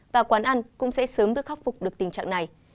và quán ăn cũng sẽ sớm được khắc phục được tình trạng này